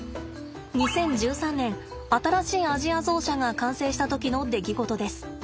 ２０１３年新しいアジアゾウ舎が完成した時の出来事です。